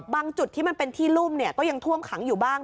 จุดที่มันเป็นที่รุ่มก็ยังท่วมขังอยู่บ้าง